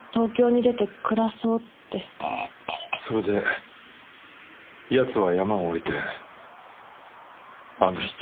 それで奴は山を下りてあの質屋に。